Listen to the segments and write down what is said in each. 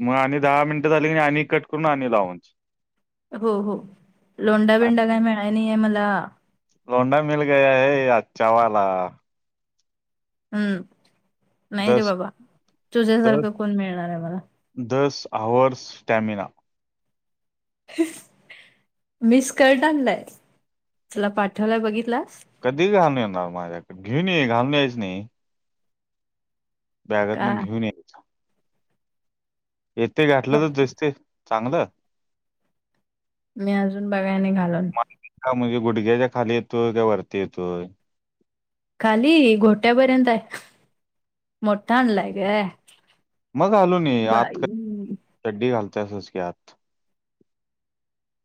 मग आणि दहा मिनिटं झाली की आणि कट करून आणि लावूनच हो, हो. लोंडा- बिंडा काय मिळाय नाही य मला. [unintelligible] हम्म, नाही रे दस बाबा. दस तुझ्यासारखं कोण? मिळणारय मला. दस आवर्स स्टॅमिना. [unintelligible] तुला पाठवलाय बघितलास? कधी घालून येणार माझ्याकडे. घेऊन ये, घालून यायच नाही. का बॅगातन, घेऊन ये. येथे घातलं तर, ओके. दिसते चांगलं. मी अजून, बघाय नाही घालून. हा म्हणजे, गुडघ्याच्या खाली येतोय का? वरती येतोय. खाली घोट्या पर्यंताय. मोठा आणलाय गं. मग घालूून ये. आत काय बाई! चड्डी घालतेसच की, आत.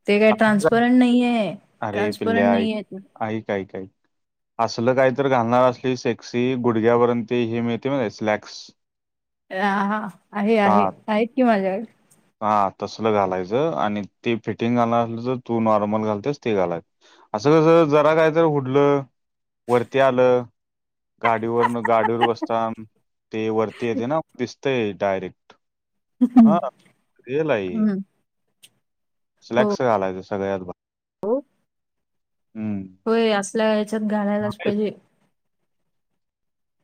ते काय ट्रान्सपरंट नाही आहे. अरे पिल्ल्या आइक ऐक ऐक ऐक. असल काही तर घालणार असली सेक्सी गुडघ्यापर्यंत हे मिळते माहिती स्लॅक्स ह हा आहे हा आहे आहेत की माझ्याकडे. हा तसलं घालायचं आणि ते फिटिंग घालनार असलीस तर तू नॉर्मल घालतेस ते घालाय असं कस जरा कायत उडलं वरती आलं गाडीवरन गाडीवर बसता ते वरती येते ना दिसतय डायरेक्ट हं. हा रियल आहे. हं. हो, स्लॅक्स घालायच सगळ्यात भा हो. हम्म. होय असल्या ह्याच्यात घालायलाच झालीस? पाहिजे.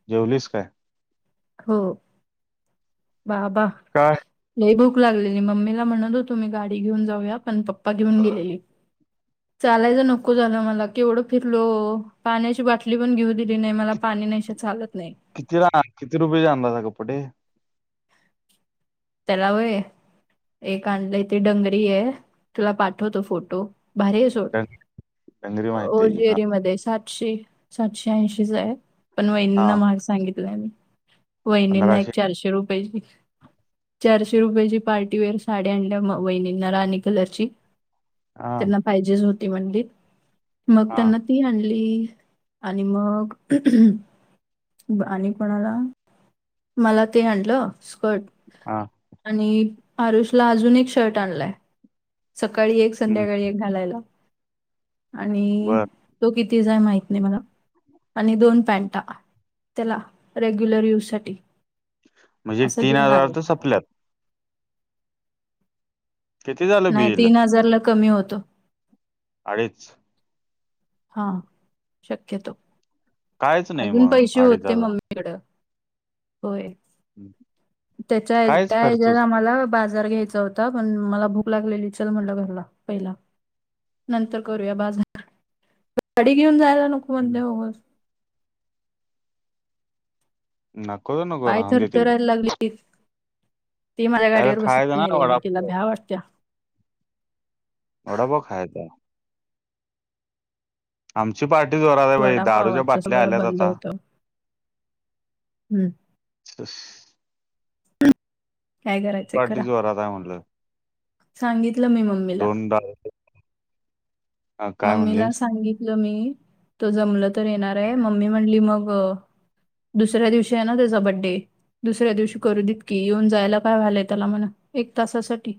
जेवलीच काय? हो बाबा. काय. लय भूक लागलेली मम्मीला म्हणत होतो मी गाडी घेऊन जाऊया पण पप्पा घेऊन गेले. चालायचं नको झालं मला केवढं फिरलो पाण्याची बाटली पण घेऊ- नाही मला पाणी नाही चालत नाही. किती जन किती रुपये चा आणला कपडे? तेला होय. एक आणलं त डंगरी आहे तुला पाठवतो फोटो भारी अस डं- डंगरी माहिती आहे की हा होजीअरीमध्ये. सातशे सातशे ऐंशीच आहे पण हा वहिनींना महाग सांगितलाय मी- वहिणींना पंधराशे एक चारशे रुपयेची चारशे रुपयाची पार्टीवेअर साडी आणल्या म वहिणींना राणी कलरची हा त्यांना पाहिजेच होती म्हनली मग हा त्यांना ती आणली आणि मग आणि कोणाला मला ते आणलं स्कर्ट हा. आणि आरुष ला अजून एक शर्ट आणलाय. सकाळी एक हम्म संध्याकाळी एक घालायला आणि बर तो किती हाय माहित नाही मला. आणि दोन पेंटा त्याला रेग्युलर यूजसाठी म्हणजे असं तीन घेऊन हजार आलं तर संपल्यात. किती झालं नाही बिल? तीन हजारला कमी होतो. अडीच. हा शक्यतो कायच नाही अजून मग पैसे अडीच होते हजार मम्मी होय हम्म. तेच्या कायच एकट्या खर्चच हेच्यातआम्हाला- बर्गर घ्यायचा होता पण मला भूक लागलेली चल म्हटलं घरला पहिला. नंतर करूया बाजार गाडी घेऊन जायला नको मध्ये बगस ना कोत नको [unintelligible] पाय तिकडे थरथरायला लागली ती माझ्या काय तर गाडीवर बसत खायचं ना नाही रे तिला वडापाव भ्या वाटत्या. वडापाव खायाचा आहे. आमची पार्टी जोरात आहे बाई दारूच्या वडापावाचं बाटल्या सगळं आल्यात बंद आता. होतं हम्म. [unintelligible] काय करायचंय पार्टी करा जोरात हाय म्हटलं. सांगितलं मी मंग. दोनडा. [inaudible] मम्मीला सांगितलं मी तो जमलत तर येणार हाय मम्मी म्हणली मग, दुसऱ्या दिवशी आहे ना त्येचा बडे. दुसऱ्या दिवशी करू देत की, येऊन जायला काय व्हालंय त्याला मला, एक तासासाठी.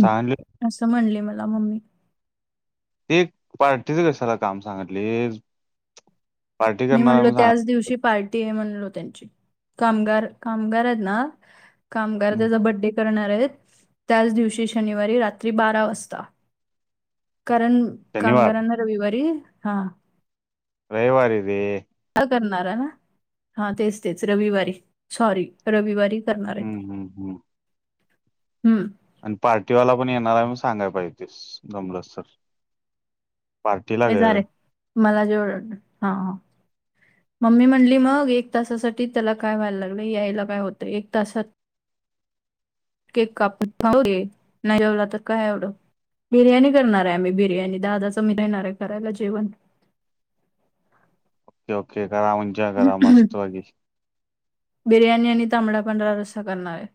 सांगली असं म्हणली मला मम्मी. ते, पार्टीच कशाला काम सांगितलीस. मी म्हणलो, त्याच दिवशी पार्टीय, म्हणलो. त्यांची. कामगार, कामगारयत ना. कामगार हम्म. त्याजा बर्थडे [unintelligible] करणारयत. त्याच दिवशी, शनिवारी रात्री बारा वाजता. कारण, शनिवार कामगारांना रविवारी, हा. रविवारी रे. करणार ना. हा तेच तेच रविवारी. सॉरी. रविवारी करणारयत. हम्म हम्म हम्म हम्म. आणि पार्टीवाला पण येणाराय, मनून सांगाय पाहिजे होतीस. जमलंस तर. पार्टीला ये, ग जा रे. मला जेव हा मम्मी म्हणली मग, एक तासासाठी त्याला काय व्हायला लागलं. यायला काय होतंय, एक तासात. केक कापून [unintelligible] नाय जेवला तर काय एवढं. बिर्याणी करणार आहे आम्ही बिर्याणी दादाचं मी राहिणार आहे करायला जेवण ओ ओके करा म्हण बिर्याणी आणि तांबडा पंढरा रस्सा करणार आहे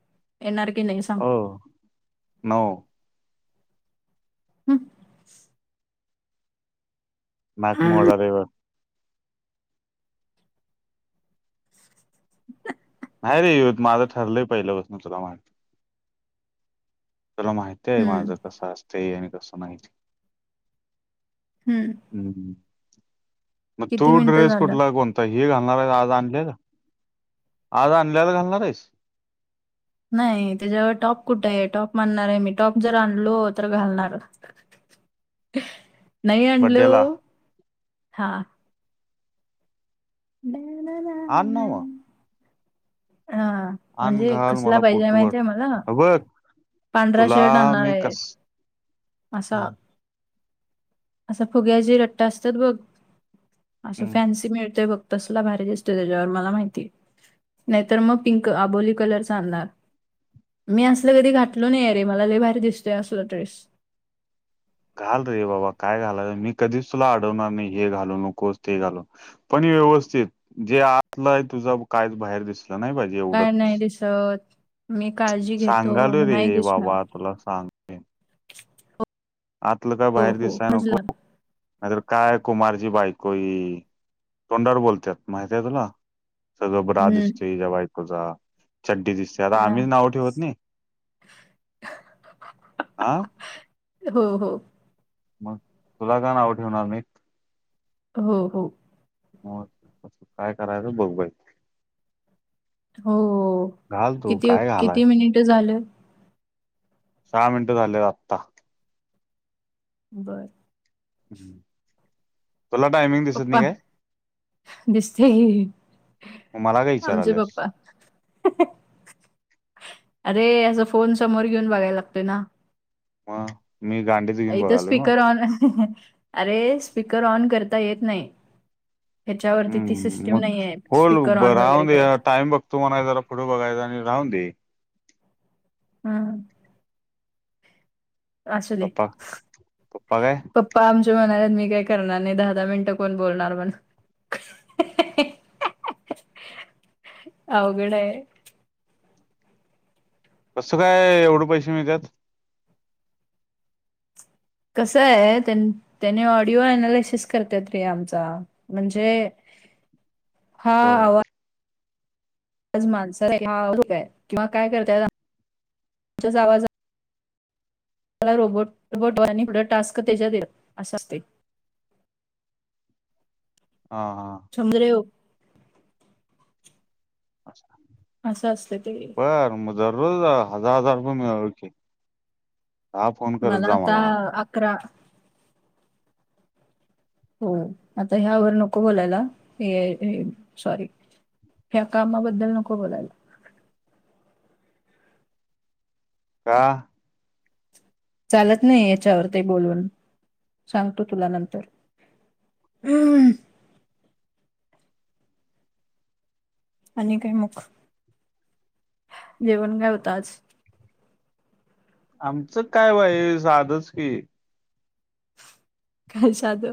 एणार की नाही सांग अ न हम् नाक मोडरव नाही रे यत माझं ठरलंय पहिलंसून तुला माहि चला माहिती आहे हं, माझं कसं असतय आणि कसं माहिती हम्म हम्म म तू मिनिटं ड्रेस झालं कोटलाकवत तर हे घालणार आहे आज आणल्याला आज आणल्याला घालणार आहेस नाही त्याच्यावर टॉप कुठे आहे टॉप मानणार आहे मी टॉप जर आणलो तर घालणार नाही अंडलो बड्डेला हा ना आ ना, ना. नव हा आण म्हणजे घाल कसला मला पाहिजे पोटभर माहितीय मला बघ पांढरा तुला शर्ट आणणार मी आहे कस असा हम्म असं फुग्या ज रट्टा असतात बघ असं हम्म. फॅन्सी मिळतोय बघ तसला भारी दिसत त्याच्यावर मला माहिती नाहीतर मग पिंक आबोली कलर चालणार मी असलं कधी घातलो नाही अ रे मला कारी भारी दिसतोय असला ड्रेस घाल रे बाबा काय घाला मी कधीच तुला अडवणार नाही हे घालू नकोस ते घालून पण व्यवस्थित जे आतलंय तुझं कायच बाहेर दिसलं नाही बाहिजे काय नाही दिसत मी काळजी घेतो सांगालोय नाही रे दिसणार बाबा तुला सांग आतलं का हो बाहेर हो दिससाय न समजलं. खूप नाहीतर काय कुमारचीी बायकोई तोंडार बोलतात माहतीय तुला सज बरा हम्म, दिसतय जेव्हा ऐकोचा चड्डी दिसते त्या आत आम्हीच नाही नाव ठेवत नाही हं हो हो मग तुला का नाव ठेवणार मी हो हो हो काय करायचं बघवायच हो घाल तू किती काय घालाय किती मिनिट झालं सहा मिनटं झालेत आत्ता बरं तुला टायमिंग दिसत नाही पप्पा काय दिसते मग मला काय आमचे विचाराल्यास पप्पा अरे असं फोन समोर घेऊन बघायला लागतोय ना मग मी गांडीच घेऊन इथं बघालोय मग स्पीकर ऑन अरे स्पीकर ऑन करता येत नाही ह्याच्यावरती ती हम्म सिस्टीम म नाही आहे होल स्पीकर ऑन वगैरे बरव करायचं टाईम बघ तुम्हाला जरा फोटो बघायचा आणि राहून दे हा असुदे पप्पा पप्पा काय प प आमच्या म्हणाले मी काय करणार नाही दहा दहा मिनिटं कोण बोलणार म्हण अवघड आहे कसं काय एवढं पैसे मिळत कसं आहे त्याने ऑडिओ अनालिसिस करतेत रे आमचा म्हणजे हा बर आवाज किंवा काय करताय आवा [unintelligible] ला रोबोट रबट आणिढ टास्क त्याच्यात येत असं असते [unintelligible] हा हा सुंदरे [unintelligible] अच्छा असं असते ते रे ब मग दररोज हजार हजार रुपये मिळत ओके हा फोन करत जा मला करा हो आता ह्यावर नको बोलायला सॉरी ह्या कामाबद्दल नको बोलायला का चालत नाही याच्यावर ते बोलून सांगतो तुला नंतर अं [unintelligible] आणि काय मग जेवण काय होत आज आमचं काय बाई साधच की काय साध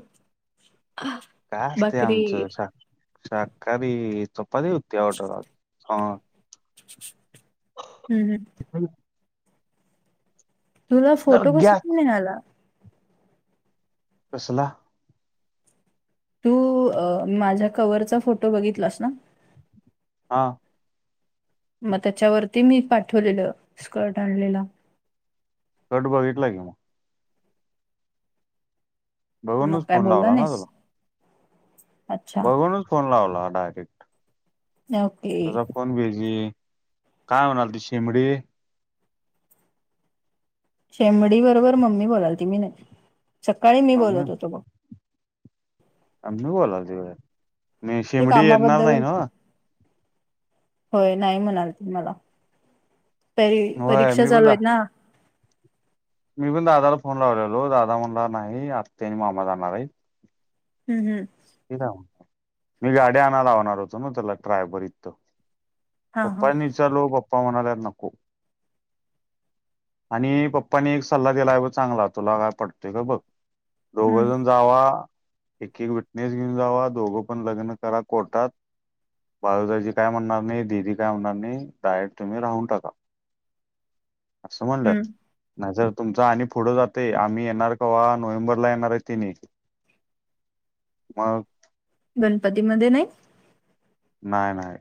काय असतय आमचं शाकाहारी चपाती होती ऑर्डर ह हम्म हम् ह तुला तर फोटो कस घ्या निघाला कसला तू माझ्या कवरचा फोटो बघितलास ना हा मग त्याच्यावरती मी पाठवलेलं स्कर्ट आणलेलं स्कर्ट बघितलाय की मग मग बघूनच काय फोन बोललं लावला ना नाहीस तुला अच्छा बघूनच फोन लावला डायरेक्ट न [unintelligible] तुझा फोन बिझी काय म्हणाल ती शेंबडे शेमडी बरोबर मम्मी बोलालती मी नाही सकाळी मी मम्मी बोलत होतो बघ मम्मी बोलालती व्हय मग ते शेंबडी येणार कामाबद्दल नाही ना होय नाही म्हणालती मला परी होय परीक्षा मी पण चालूयत ना मी पण दादाला फोन लावलेलो दादा म्हणला नाही आत्ते आणि मामा जाणार आहे हम्म हम्म मग मी गाडी्या आणायला लावणार होतो ना त्याला ट्रायबरत त हा हा पप्पांनी चालू पप्पा म्हणाल्यात नको आणि पप्पाने एक सल्ला दिला आहे बग चांगला तुला काय पटतोय का बघ दोघं हम्म, जण जावा एक एक विटनेस घेऊन जावा दोघं पण लग्न करा कोर्टात बाळूदाजी काय म्हणणार नाही दीदी काय म्हणणार नाही डायरेट तुम्ही राहून टाका असं हम्म. म्हणल्यात नाही जर तुमच आणि पुढं जातय आम्ही येणार का्हा नोव्हेंबरला येणार आहे तिन ु मग गणपतीमध्ये नाही नाही नाही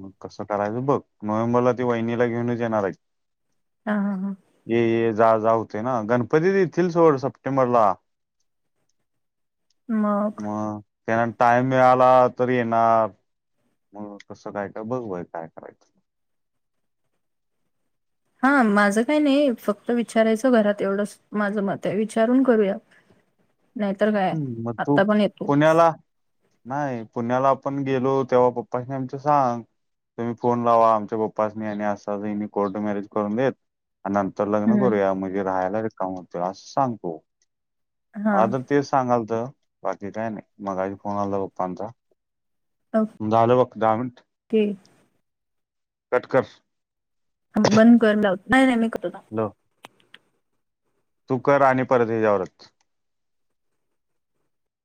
मग कसं करायचं बघ नोव्हेंबरला ती वहिनीला घेऊनच येणार आहे हा हा हां ये ये जा जा होतय ना गणपती देतील सोड सप्टेंबरला मग त्यांना टाइम मिळाला तरी येणार मग कसं काय का बघ बाय काय करायचं हा माझं काही नाही फक्त विचारायचं घरात एवढं माझं मत आहे विचारून करूया नाहीतर काय हम्म मग तू आत्ता पण येतो पुण्याला नाही पुण्याला आपण गेलो तेव्हा पप्पा आमच सांग तुम्ही फोन लावा आमच्या बप्पासनी आणि असानी कोर्ट मॅरेज करून देत आणि नंतर लग्न हं. करूया म्हणजे राहायला र काम होत अस सांगतो मला हां, तर तेच सांगाल तर बाकी काय नाही मगा फोन आला पप्पांचा मु झाालंवक् दहा मिनट [inaudible] कटकर बंद करून लावत नाही नाही मी करत हो नऊ तू कर आणि परत हेच्यावरत